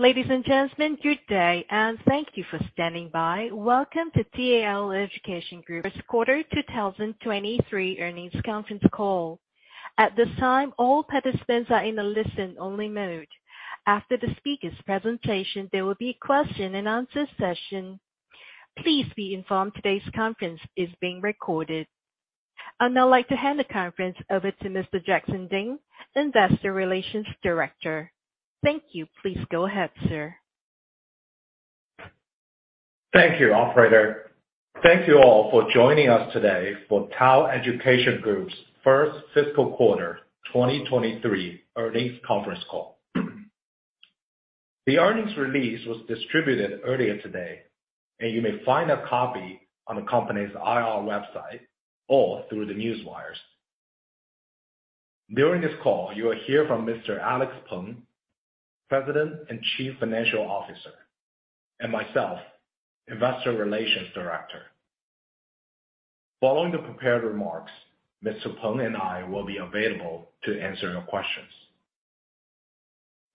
Ladies and gentlemen, good day, and thank you for standing by. Welcome to TAL Education Group's Q2 2023 Earnings Conference Call. At this time, all participants are in a listen-only mode. After the speaker's presentation, there will be question and answer session. Please be informed today's conference is being recorded. I'd now like to hand the conference over to Mr. Jackson Ding, Investor Relations Director. Thank you. Please go ahead, sir. Thank you, operator. Thank you all for joining us today for TAL Education Group's First Fiscal Quarter 2023 Earnings Conference Call. The earnings release was distributed earlier today, and you may find a copy on the company's IR website or through the Newswires. During this call, you will hear from Mr. Alex Peng, President and Chief Financial Officer, and myself, Investor Relations Director. Following the prepared remarks, Mr. Peng and I will be available to answer your questions.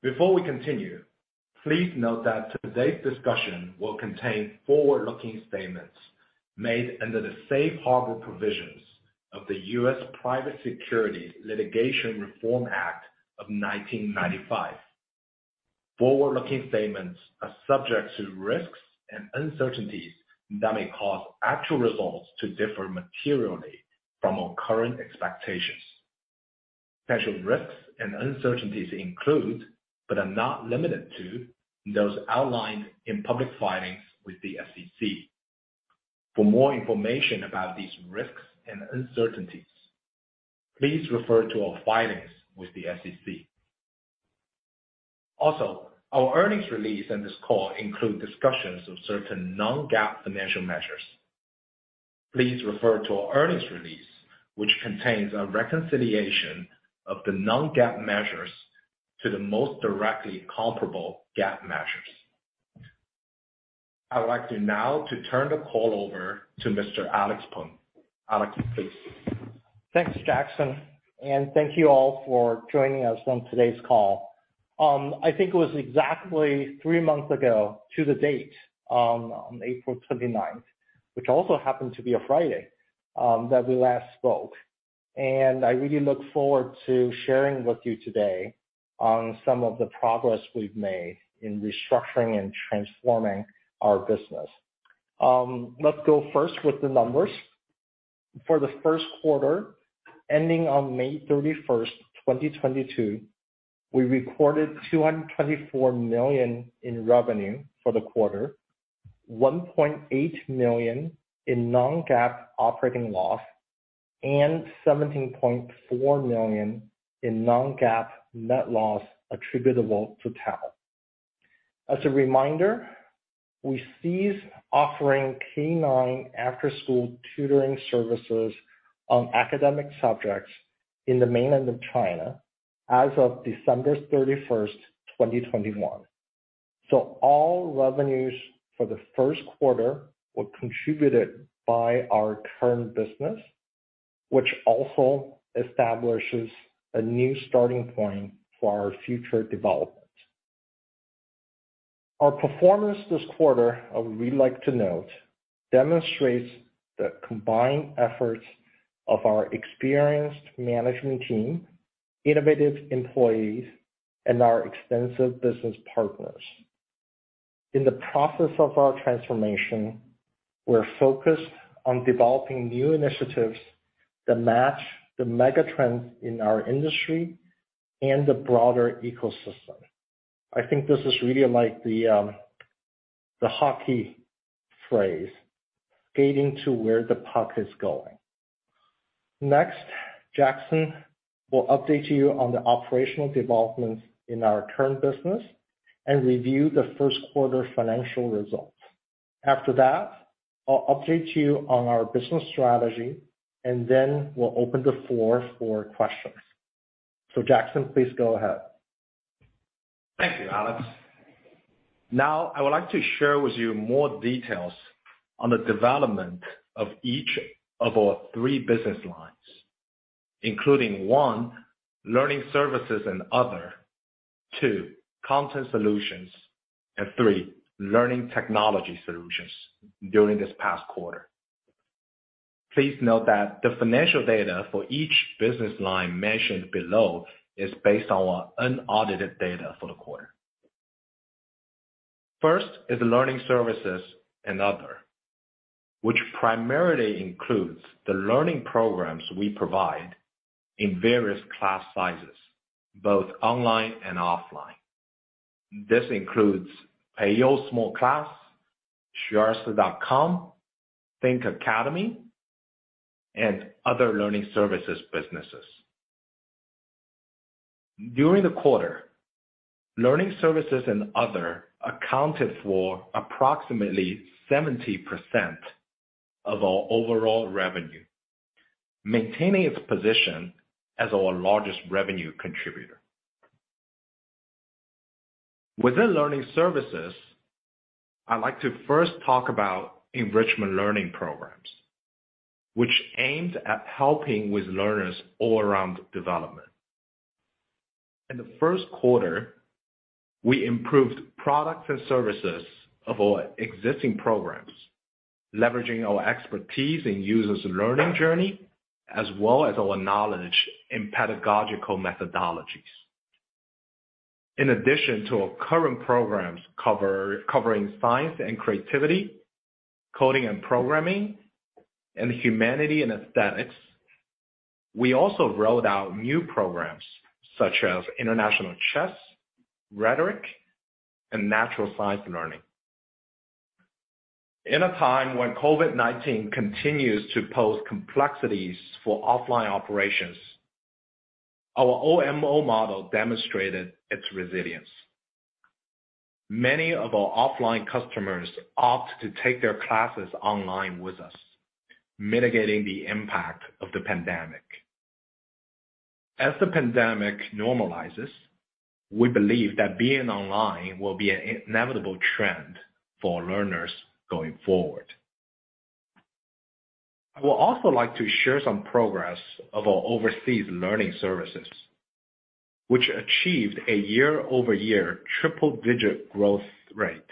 Before we continue, please note that today's discussion will contain forward-looking statements made under the safe harbor provisions of the U.S. Private Securities Litigation Reform Act of 1995. Forward-looking statements are subject to risks and uncertainties that may cause actual results to differ materially from our current expectations. Potential risks and uncertainties include, but are not limited to, those outlined in public filings with the SEC. For more information about these risks and uncertainties, please refer to our filings with the SEC. Also, our earnings release and this call include discussions of certain non-GAAP financial measures. Please refer to our earnings release, which contains a reconciliation of the non-GAAP measures to the most directly comparable GAAP measures. I would like now to turn the call over to Mr. Alex Peng. Alex, please. Thanks, Jackson, and thank you all for joining us on today's call. I think it was exactly three months ago to the date, on April 29th, which also happened to be a Friday, that we last spoke. I really look forward to sharing with you today on some of the progress we've made in restructuring and transforming our business. Let's go first with the numbers. For the first quarter, ending on May 31st, 2022, we recorded $224 million in revenue for the quarter, $1.8 million in non-GAAP operating loss, and $17.4 million in non-GAAP net loss attributable to TAL. As a reminder, we ceased offering K-9 after-school tutoring services on academic subjects in the mainland of China as of December 31st, 2021. All revenues for the first quarter were contributed by our current business, which also establishes a new starting point for our future development. Our performance this quarter, we like to note, demonstrates the combined efforts of our experienced management team, innovative employees, and our extensive business partners. In the process of our transformation, we're focused on developing new initiatives that match the mega trends in our industry and the broader ecosystem. I think this is really like the hockey phrase, skating to where the puck is going. Next, Jackson will update you on the operational developments in our current business and review the first quarter financial results. After that, I'll update you on our business strategy, and then we'll open the floor for questions. Jackson, please go ahead. Thank you, Alex. Now, I would like to share with you more details on the development of each of our three business lines, including one, learning services and other, two, content solutions, and three, learning technology solutions during this past quarter. Please note that the financial data for each business line mentioned below is based on our unaudited data for the quarter. First is learning services and other, which primarily includes the learning programs we provide in various class sizes, both online and offline. This includes Peiyou Small Class, Xueersi.com, Think Academy, and other learning services businesses. During the quarter, learning services and other accounted for approximately 70% of our overall revenue, maintaining its position as our largest revenue contributor. Within learning services, I'd like to first talk about enrichment learning programs, which aimed at helping with learners' all-around development. In the first quarter, we improved products and services of our existing programs, leveraging our expertise in users' learning journey, as well as our knowledge in pedagogical methodologies. In addition to our current programs covering science and creativity, coding and programming, and humanities and aesthetics, we also rolled out new programs such as international chess, rhetoric, and natural science learning. In a time when COVID-19 continues to pose complexities for offline operations, our OMO model demonstrated its resilience. Many of our offline customers opt to take their classes online with us, mitigating the impact of the pandemic. As the pandemic normalizes, we believe that being online will be an inevitable trend for learners going forward. I would also like to share some progress of our overseas learning services, which achieved a year-over-year triple-digit growth rate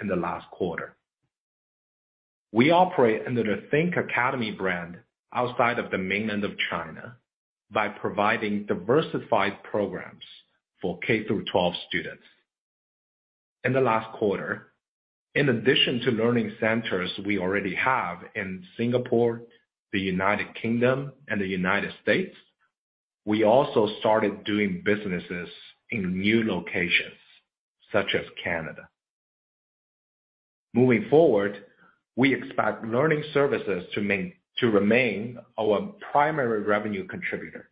in the last quarter. We operate under the Think Academy brand outside of the mainland of China by providing diversified programs for K-12 students. In the last quarter, in addition to learning centers we already have in Singapore, the United Kingdom, and the United States, we also started doing businesses in new locations such as Canada. Moving forward, we expect learning services to remain our primary revenue contributor.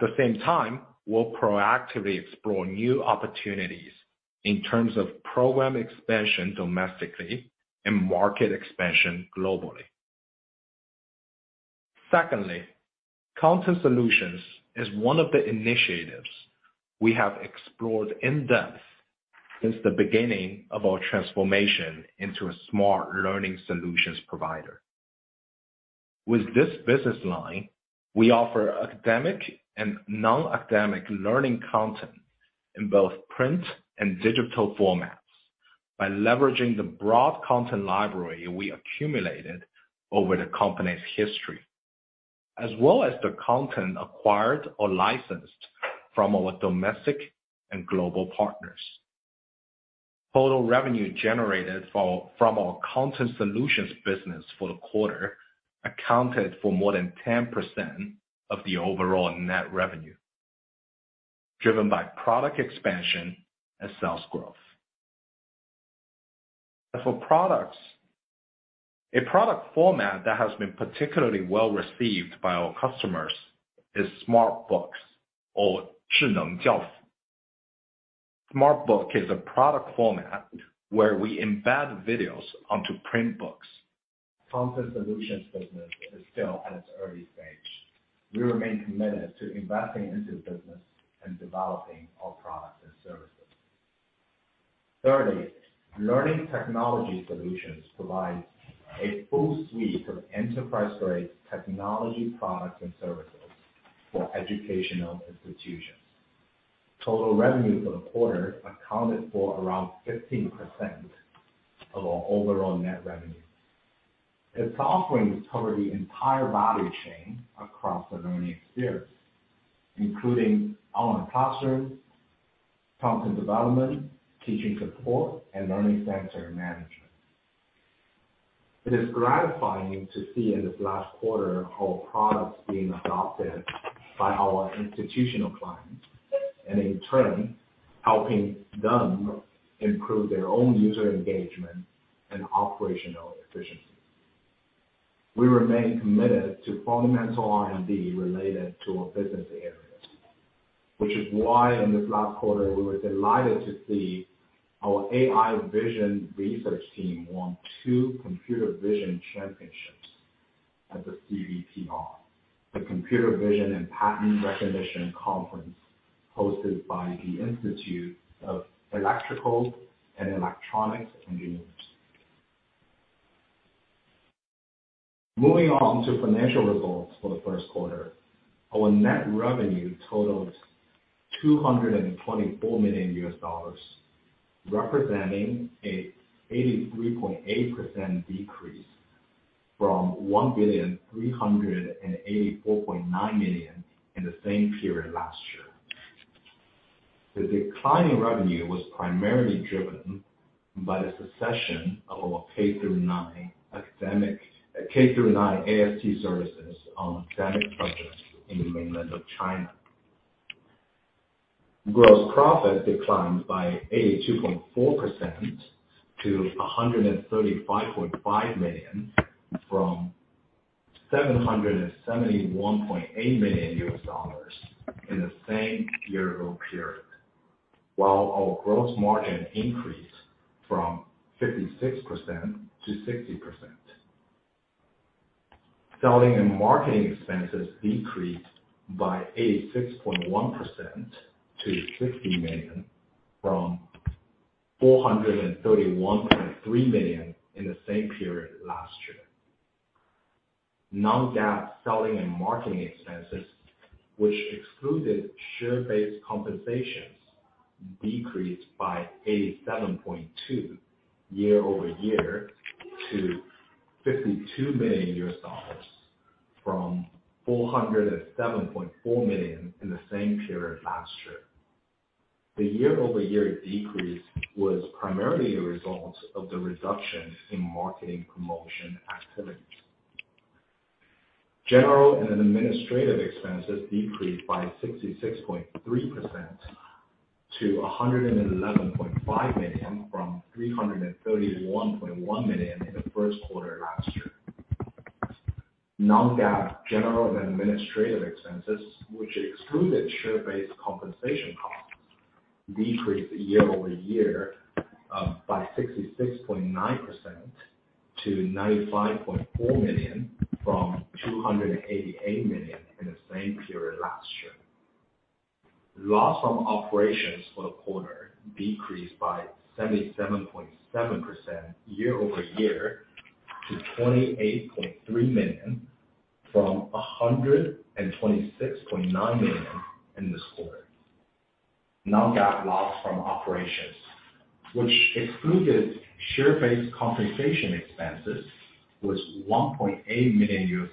At the same time, we'll proactively explore new opportunities in terms of program expansion domestically and market expansion globally. Secondly, content solutions is one of the initiatives we have explored in-depth since the beginning of our transformation into a smart learning solutions provider. With this business line, we offer academic and non-academic learning content in both print and digital formats by leveraging the broad content library we accumulated over the company's history. As well as the content acquired or licensed from our domestic and global partners. Total revenue generated from our content solutions business for the quarter accounted for more than 10% of the overall net revenue, driven by product expansion and sales growth. As for products, a product format that has been particularly well-received by our customers is smart books or 智能教科书. Smart Book is a product format where we embed videos onto print books. Content solutions business is still at its early stage. We remain committed to investing into the business and developing our products and services. Thirdly, learning technology solutions provides a full suite of enterprise-grade technology products and services for educational institutions. Total revenue for the quarter accounted for around 15% of our overall net revenue. Its offerings cover the entire value chain across the learning experience, including online classroom, content development, teaching support, and learning center management. It is gratifying to see in this last quarter our products being adopted by our institutional clients, and in turn, helping them improve their own user engagement and operational efficiency. We remain committed to fundamental R&D related to our business areas, which is why in this last quarter, we were delighted to see our AI vision research team won two computer vision championships at the CVPR. The Computer Vision and Pattern Recognition conference hosted by the Institute of Electrical and Electronics Engineers. Moving on to financial results for the first quarter. Our net revenue totaled $224 million, representing a 83.8% decrease from $1,384.9 million in the same period last year. The decline in revenue was primarily driven by the suspension of our K-9 AST services and standard projects in the mainland of China. Gross profit declined by 82.4% to $135.5 million from $771.8 million in the same year-ago period. While our gross margin increased from 56%-60%. Selling and marketing expenses decreased by 86.1% to $60 million from $431.3 million in the same period last year. Non-GAAP selling and marketing expenses, which excluded share-based compensation, decreased by 87.2% year-over-year to $52 million from $407.4 million in the same period last year. The year-over-year decrease was primarily a result of the reduction in marketing promotion activities. General and administrative expenses decreased by 66.3% to $111.5 million from $331.1 million in the first quarter last year. Non-GAAP general and administrative expenses, which excluded share-based compensation costs, decreased year-over-year by 66.9% to $95.4 million from $288 million in the same period last year. Loss from operations for the quarter decreased by 77.7% year-over-year to $28.3 million from $126.9 million in this quarter. Non-GAAP loss from operations, which excluded share-based compensation expenses, was $1.8 million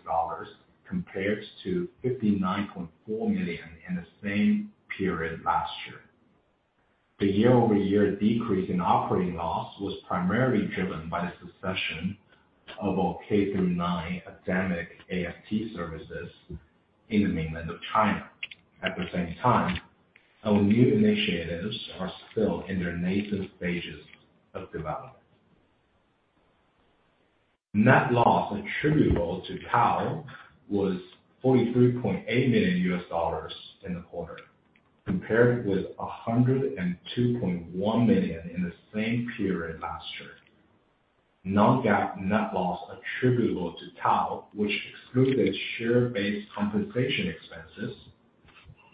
compared to $59.4 million in the same period last year. The year-over-year decrease in operating loss was primarily driven by the suspension of our K-9 academic tutoring services in the mainland of China. At the same time, our new initiatives are still in their nascent stages of development. Net loss attributable to TAL was $43.8 million in the quarter, compared with $102.1 million in the same period last year. non-GAAP net loss attributable to TAL, which excluded share-based compensation expenses,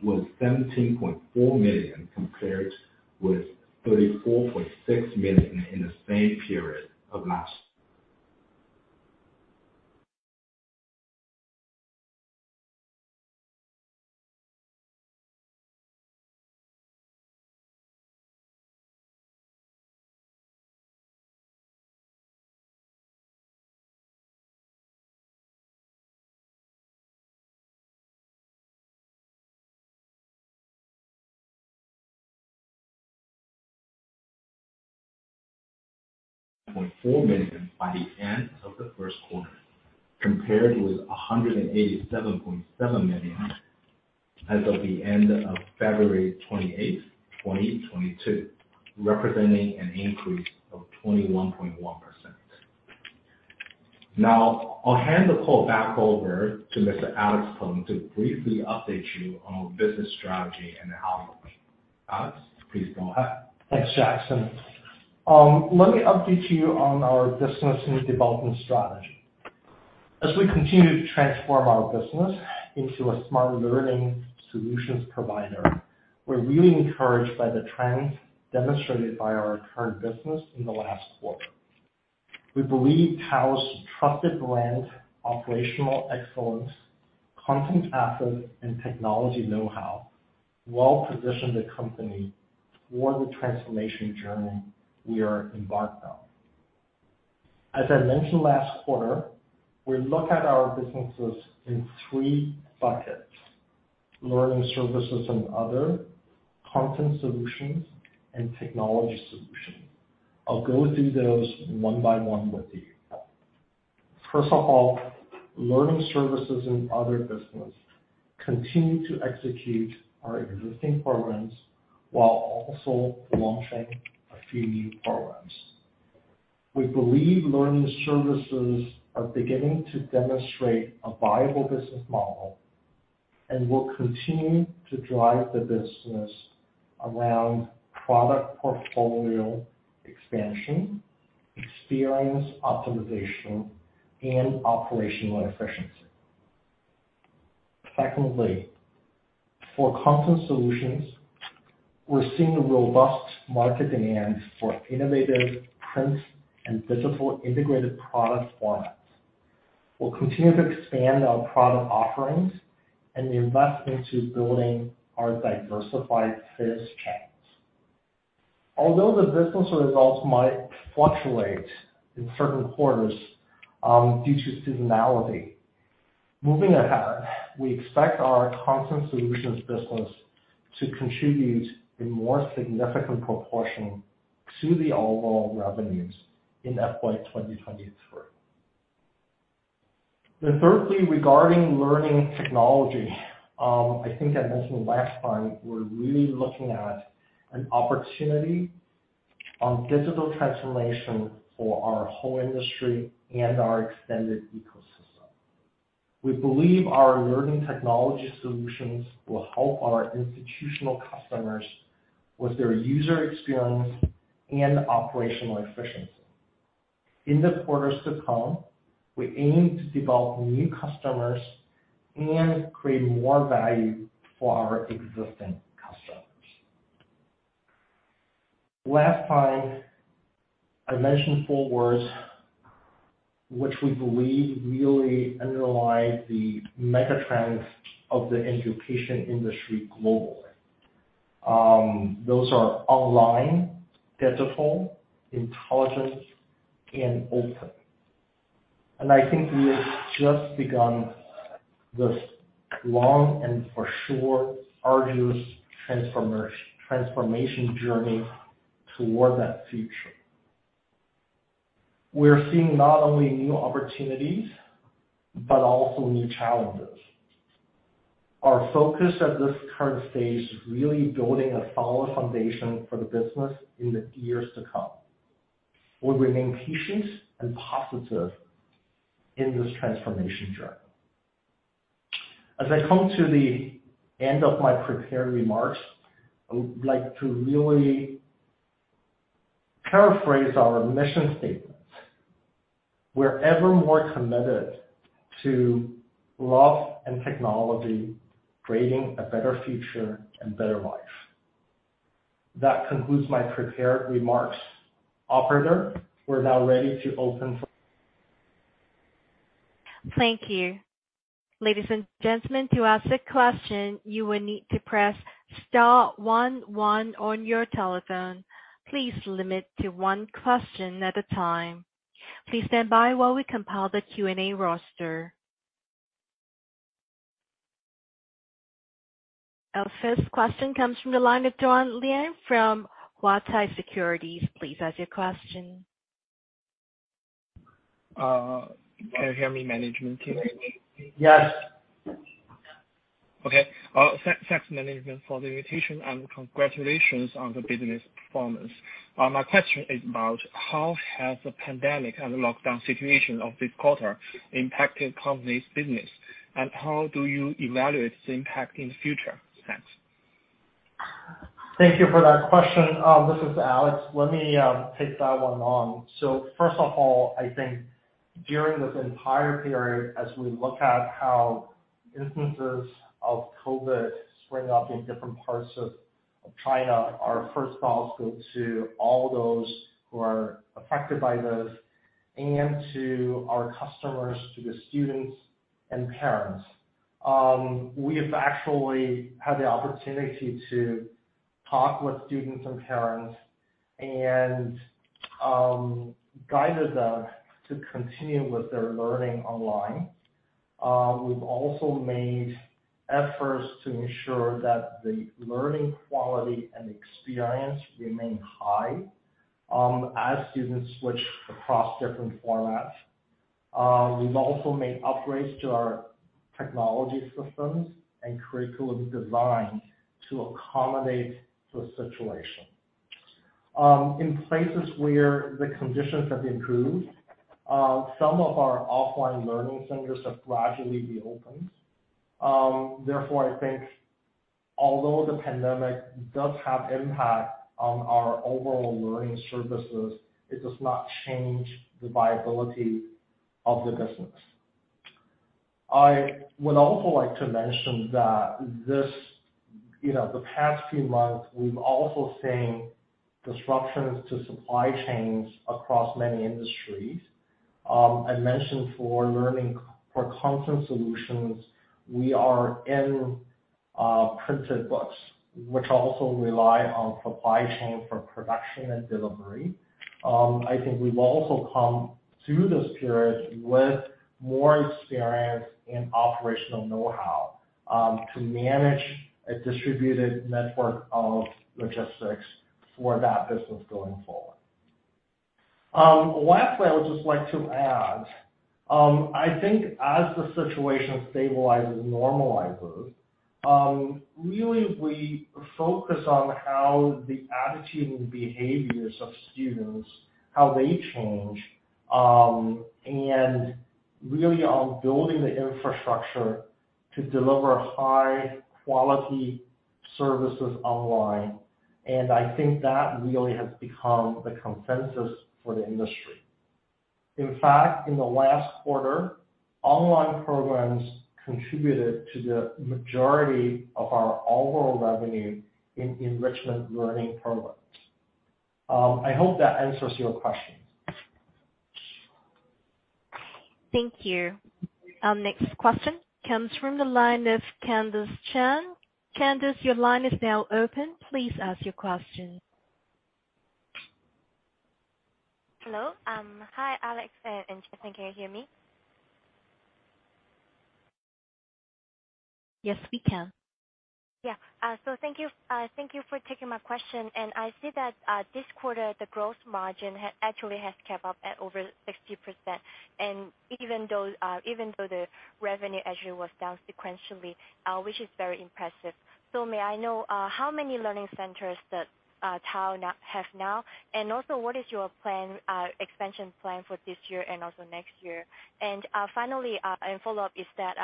was $17.4 million, compared with $34.6 million in the same period last year. $340.4 million by the end of the first quarter, compared with $187.7 million as of the end of February 28, 2022, representing an increase of 21.1%. Now, I'll hand the call back over to Mr. Alex Peng to briefly update you on our business strategy and outlook. Alex, please go ahead. Thanks, Jackson. Let me update you on our business and development strategy. As we continue to transform our business into a smart learning solutions provider, we're really encouraged by the trends demonstrated by our current business in the last quarter. We believe TAL's trusted brand, operational excellence, content assets, and technology know-how, well position the company for the transformation journey we are embarked on. As I mentioned last quarter, we look at our businesses in three buckets: learning services and other, content solutions, and technology solutions. I'll go through those one by one with you. First of all, learning services and other business continue to execute our existing programs while also launching a few new programs. We believe learning services are beginning to demonstrate a viable business model, and we'll continue to drive the business around product portfolio expansion, experience optimization, and operational efficiency. Secondly, for content solutions, we're seeing a robust market demand for innovative print and digital integrated product formats. We'll continue to expand our product offerings and invest into building our diversified sales channels. Although the business results might fluctuate in certain quarters, due to seasonality, moving ahead, we expect our content solutions business to contribute a more significant proportion to the overall revenues in FY 2023. Thirdly, regarding learning technology, I think I mentioned last time, we're really looking at an opportunity on digital transformation for our whole industry and our extended ecosystem. We believe our learning technology solutions will help our institutional customers with their user experience and operational efficiency. In the quarters to come, we aim to develop new customers and create more value for our existing customers. Last time, I mentioned four words which we believe really underline the mega trends of the education industry globally. Those are online, digital, intelligent, and open. I think we have just begun this long and for sure arduous transformation journey toward that future. We're seeing not only new opportunities but also new challenges. Our focus at this current stage is really building a solid foundation for the business in the years to come. We remain patient and positive in this transformation journey. As I come to the end of my prepared remarks, I would like to really paraphrase our mission statement. We're ever more committed to love and technology creating a better future and better life. That concludes my prepared remarks. Operator, we're now ready to open for Thank you. Ladies and gentlemen, to ask a question, you will need to press star one one on your telephone. Please limit to one question at a time. Please stand by while we compile the Q&A roster. Our first question comes from the line of Duan Lian from Huatai Securities. Please ask your question. Can you hear me management team? Yes. Okay. Thanks management for the invitation and congratulations on the business performance. My question is about how has the pandemic and the lockdown situation of this quarter impacted company's business, and how do you evaluate its impact in the future? Thanks. Thank you for that question. This is Alex. Let me take that one on. First of all, I think during this entire period, as we look at how instances of COVID spring up in different parts of China, our first thoughts go to all those who are affected by this and to our customers, to the students and parents. We have actually had the opportunity to talk with students and parents and guided them to continue with their learning online. We've also made efforts to ensure that the learning quality and experience remain high, as students switch across different formats. We've also made upgrades to our technology systems and curriculum design to accommodate the situation. In places where the conditions have improved, some of our offline learning centers have gradually reopened. Therefore, I think although the pandemic does have impact on our overall learning services, it does not change the viability of the business. I would also like to mention that this, you know, the past few months, we've also seen disruptions to supply chains across many industries. I mentioned for learning, for content solutions, we are in printed books, which also rely on supply chain for production and delivery. I think we've also come through this period with more experience and operational know-how to manage a distributed network of logistics for that business going forward. Lastly, I would just like to add, I think as the situation stabilizes and normalizes, really we focus on how the attitude and behaviors of students, how they change, and really on building the infrastructure to deliver high-quality services online, and I think that really has become the consensus for the industry. In fact, in the last quarter, online programs contributed to the majority of our overall revenue in enrichment learning programs. I hope that answers your question. Thank you. Our next question comes from the line of Candice Chen. Candice, your line is now open. Please ask your question. Hello. Hi, Alex and Jackson. Can you hear me? Yes, we can. Yeah. Thank you for taking my question. I see that this quarter the growth margin actually has kept up at over 60%, and even though the revenue actually was down sequentially, which is very impressive. May I know how many learning centers does TAL now have? Also, what is your expansion plan for this year and also next year? Finally, a follow-up is that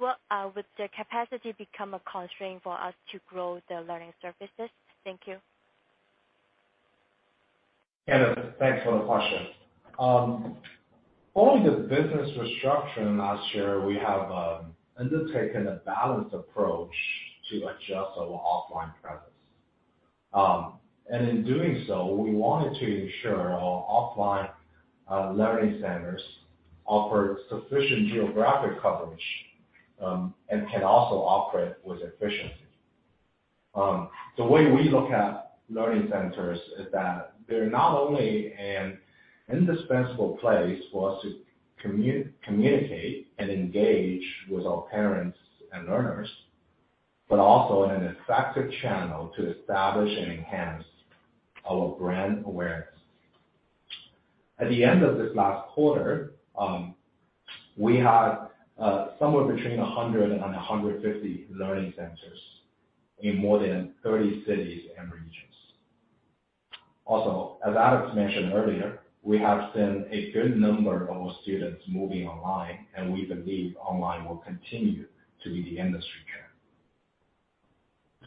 would the capacity become a constraint for us to grow the learning services? Thank you. Yeah. Thanks for the question. Following the business restructure last year, we have undertaken a balanced approach to adjust our offline presence. In doing so, we wanted to ensure our offline learning centers offer sufficient geographic coverage and can also operate with efficiency. The way we look at learning centers is that they're not only an indispensable place for us to communicate and engage with our parents and learners, but also an effective channel to establish and enhance our brand awareness. At the end of this last quarter, we had somewhere between 100 and 150 learning centers in more than 30 cities and regions. Also, as Alex mentioned earlier, we have seen a good number of our students moving online, and we believe online will continue to be the industry trend.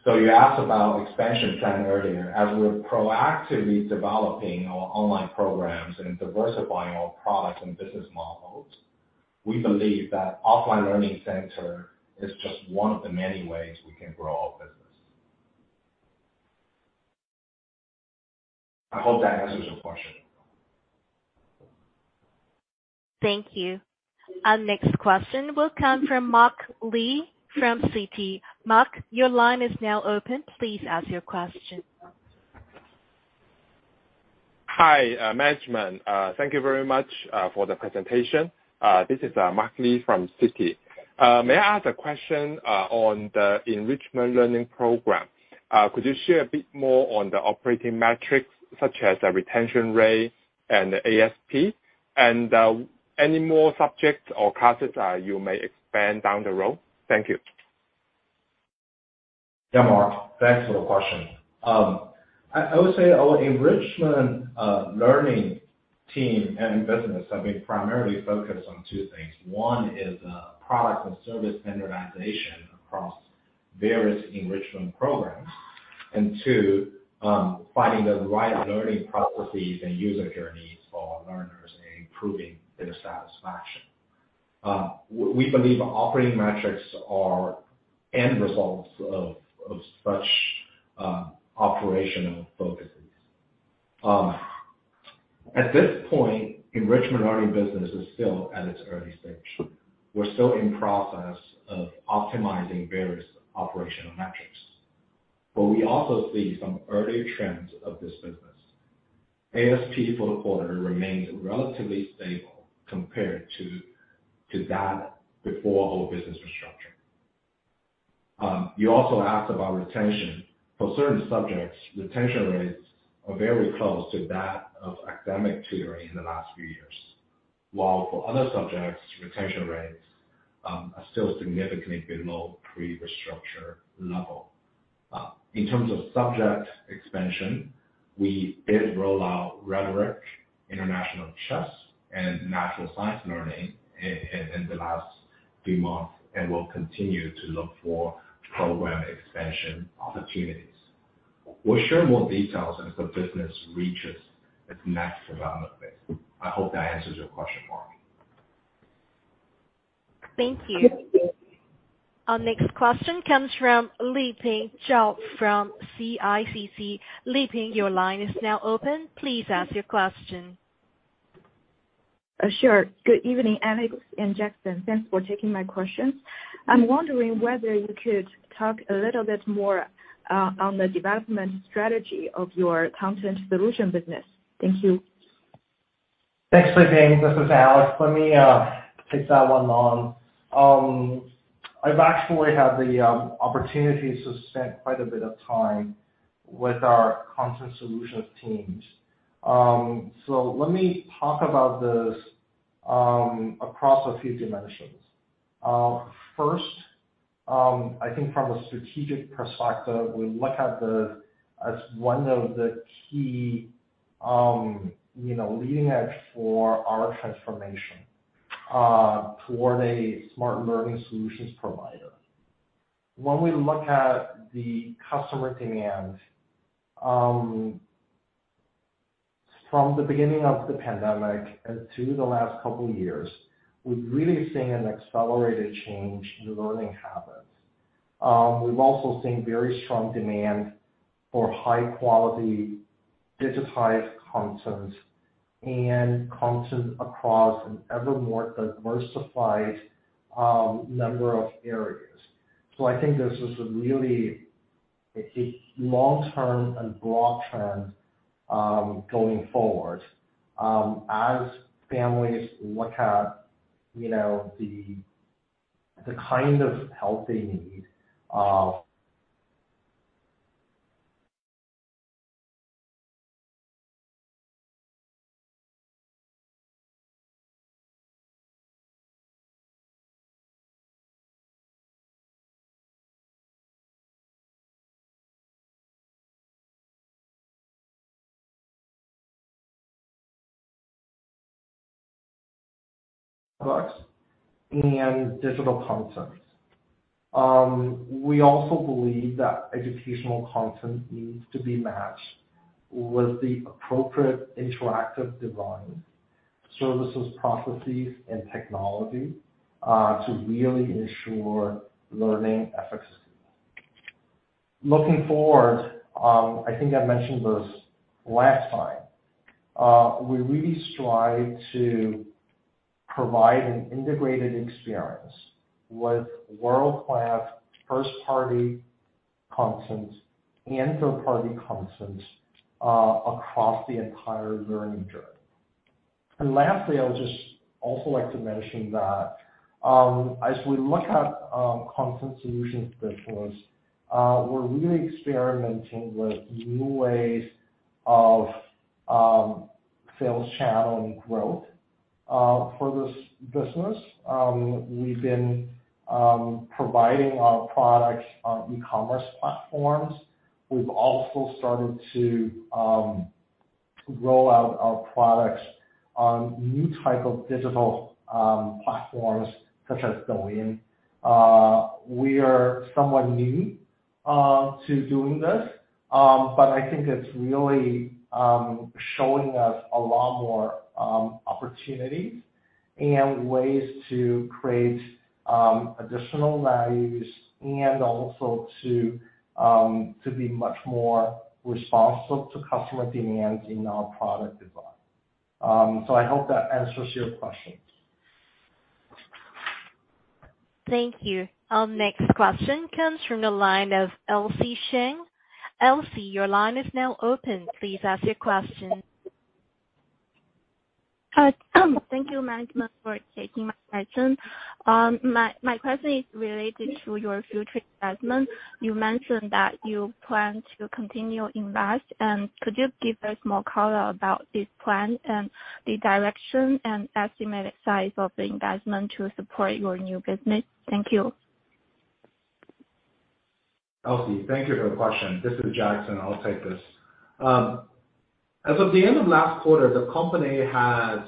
You asked about expansion plan earlier. As we're proactively developing our online programs and diversifying our products and business models, we believe that offline learning center is just one of the many ways we can grow our business. I hope that answers your question. Thank you. Our next question will come from Mark Li from Citi. Mark, your line is now open. Please ask your question. Hi, management. Thank you very much for the presentation. This is Mark Li from Citi. May I ask a question on the enrichment learning program? Could you share a bit more on the operating metrics such as the retention rate and ASP? Any more subjects or classes that you may expand down the road? Thank you. Yeah, Mark, thanks for the question. I would say our enrichment learning team and business have been primarily focused on two things. One is product and service standardization across various enrichment programs. Two, finding the right learning processes and user journeys for our learners and improving their satisfaction. We believe operating metrics are end results of such operational focuses. At this point, enrichment learning business is still at its early stage. We're still in process of optimizing various operational metrics. We also see some early trends of this business. ASP for the quarter remains relatively stable compared to that before our business restructure. You also asked about retention. For certain subjects, retention rates are very close to that of academic tutoring in the last few years, while for other subjects, retention rates are still significantly below pre-restructure level. In terms of subject expansion, we did roll out rhetoric, international chess and natural science learning in the last few months and will continue to look for program expansion opportunities. We'll share more details as the business reaches its next development phase. I hope that answers your question, Mark. Thank you. Our next question comes from Liping Zhao from CICC. Liping, your line is now open. Please ask your question. Sure. Good evening, Alex and Jackson. Thanks for taking my question. I'm wondering whether you could talk a little bit more on the development strategy of your content solution business. Thank you. Thanks, Liping. This is Alex. Let me take that one on. I've actually had the opportunity to spend quite a bit of time with our content solutions teams. So let me talk about this across a few dimensions. First, I think from a strategic perspective, we look at the as one of the key you know leading edge for our transformation toward a smart learning solutions provider. When we look at the customer demand from the beginning of the pandemic and to the last couple years, we've really seen an accelerated change in learning habits. We've also seen very strong demand for high-quality digitized content and content across an ever more diversified number of areas. I think this is a really key long-term and broad trend going forward as families look at, you know, the kind of help they need, products and digital content. We also believe that educational content needs to be matched with the appropriate interactive design services, processes and technology to really ensure learning efficacy. Looking forward, I think I mentioned this last time. We really strive to provide an integrated experience with world-class first-party content and third-party content across the entire learning journey. Lastly, I would just also like to mention that as we look at content solutions business, we're really experimenting with new ways of sales channel and growth for this business. We've been providing our products on e-commerce platforms. We've also started to roll out our products on new type of digital platforms such as Douyin. We are somewhat new to doing this, but I think it's really showing us a lot more opportunities and ways to create additional values and also to be much more responsive to customer demands in our product design. I hope that answers your question. Thank you. Our next question comes from the line of Elsie Sheng. Elsie, your line is now open. Please ask your question. Thank you, management, for taking my question. My question is related to your future investment. You mentioned that you plan to continue invest, and could you give us more color about this plan and the direction and estimated size of the investment to support your new business? Thank you. Elsie, thank you for the question. This is Jackson. I'll take this. As of the end of last quarter, the company had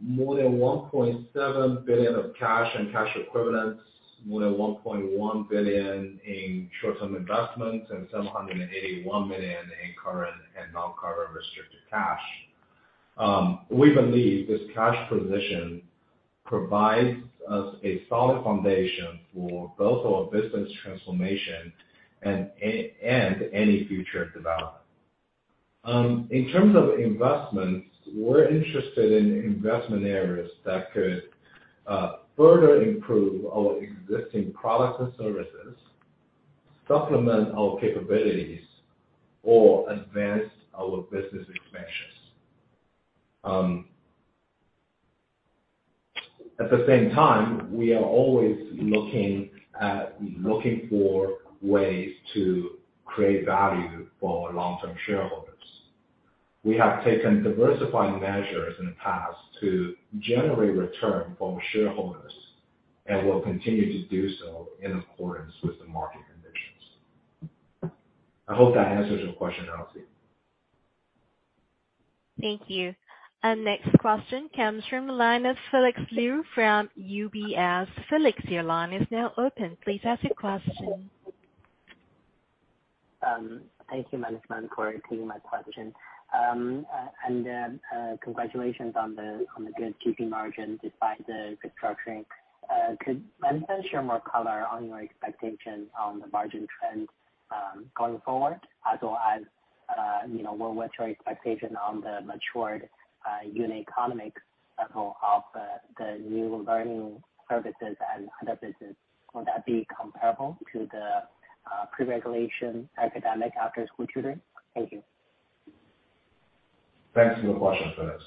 more than $1.7 billion of cash and cash equivalents, more than $1.1 billion in short-term investments, and $781 million in current and non-current restricted cash. We believe this cash position provides us a solid foundation for both our business transformation and any future development. In terms of investments, we're interested in investment areas that could further improve our existing products and services, supplement our capabilities or advance our business expansions. At the same time, we are always looking for ways to create value for our long-term shareholders. We have taken diversifying measures in the past to generate return for shareholders and will continue to do so in accordance with the market conditions. I hope that answers your question, Elsie. Thank you. Our next question comes from the line of Felix Liu from UBS. Felix, your line is now open. Please ask your question. Thank you, management, for taking my question. Congratulations on the good GP margin despite the restructuring. Could management share more color on your expectation on the margin trends going forward, as well as, you know, what's your expectation on the matured unit economics as well of the new learning services and other business? Will that be comparable to the pre-regulation academic after-school tutoring? Thank you. Thanks for the question, Felix.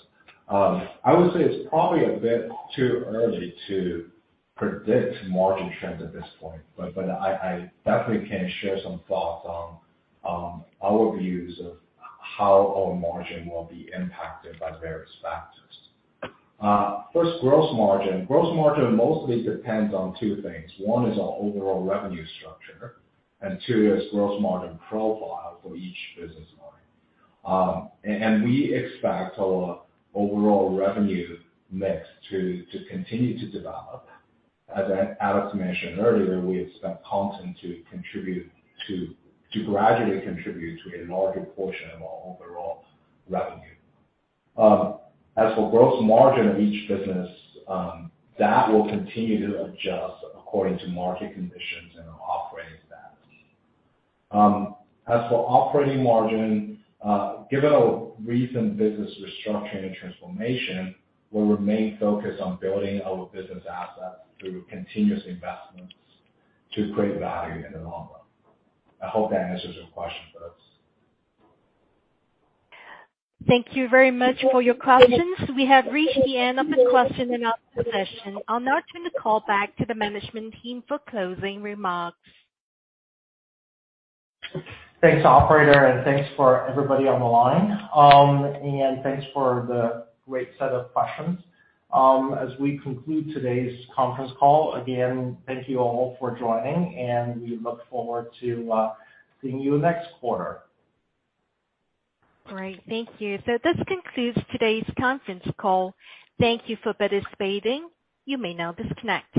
I would say it's probably a bit too early to predict margin trends at this point, but I definitely can share some thoughts on our views of how our margin will be impacted by various factors. First, gross margin. Gross margin mostly depends on two things. One is our overall revenue structure, and two is gross margin profile for each business line. And we expect our overall revenue mix to continue to develop. As Alex mentioned earlier, we expect content to gradually contribute to a larger portion of our overall revenue. As for gross margin of each business, that will continue to adjust according to market conditions and our operating strategy. As for operating margin, given our recent business restructuring and transformation, we'll remain focused on building our business assets through continuous investments to create value in the long run. I hope that answers your question, Felix. Thank you very much for your questions. We have reached the end of the question and answer session. I'll now turn the call back to the management team for closing remarks. Thanks, operator, and thanks for everybody on the line. Thanks for the great set of questions. As we conclude today's conference call, again, thank you all for joining, and we look forward to seeing you next quarter. Great. Thank you. This concludes today's conference call. Thank you for participating. You may now disconnect.